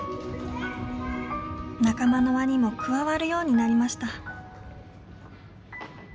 仲間の輪にも加わるようになりました。